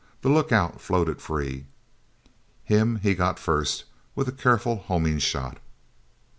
The lookout floated free. Him, he got first, with a careful, homing shot.